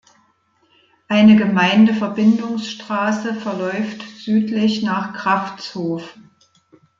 Eine Gemeindeverbindungsstraße verläuft südlich nach Kraftshof.